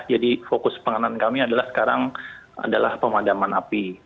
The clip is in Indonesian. jadi fokus penanganan kami adalah sekarang adalah pemadaman api